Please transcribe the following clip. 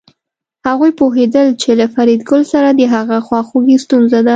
هغوی پوهېدل چې له فریدګل سره د هغه خواخوږي ستونزه ده